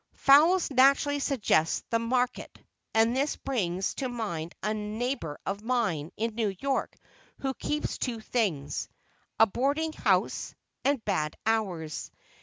Fowls naturally suggest the market, and this brings to mind a neighbor of mine in New York who keeps two things, a boarding house, and "bad hours."